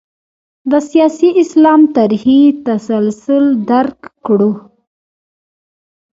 د سیاسي اسلام تاریخي تسلسل درک کړو.